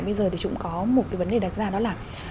bây giờ thì cũng có một cái vấn đề đặt ra đó là